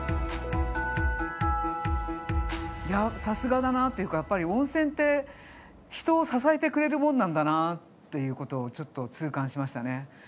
さすがだなというかやっぱり温泉って人を支えてくれるものなんだなっていうことをちょっと痛感しましたね。